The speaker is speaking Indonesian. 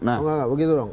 nah begitu dong